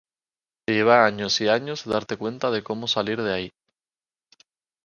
Te lleva años y años darte cuenta de como salir de ahí.